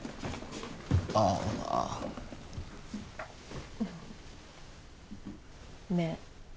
ああねえ